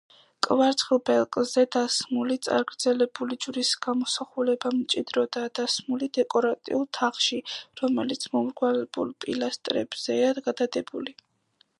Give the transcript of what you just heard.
კვარცხლბეკზე დასმული, წაგრძელებული ჯვრის გამოსახულება მჭიდროდაა ჩასმული დეკორატიულ თაღში, რომელიც მომრგვალებულ პილასტრებზეა გადადებული.